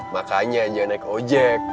makanya jangan naik ojek